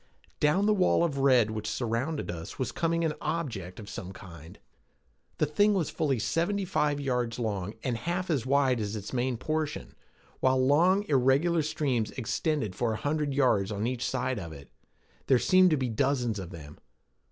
Down the wall of red which surrounded us was coming an object of some kind. The thing was fully seventy five yards long and half as wide at its main portion, while long irregular streams extended for a hundred yards on each side of it. There seemed to be dozens of them.